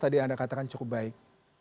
tadi anda katakan cukup baik